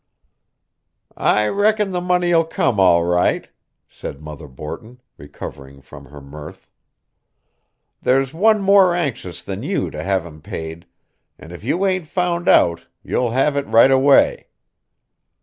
"I reckon the money'll come all right," said Mother Borton, recovering from her mirth. "There's one more anxious than you to have 'em paid, and if you ain't found out you'll have it right away.